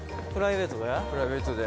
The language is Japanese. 宮田：プライベートで？